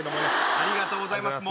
ありがとうございます。